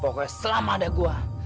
pokoknya selama ada gua